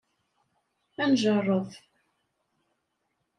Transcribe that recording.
Ad njerreb.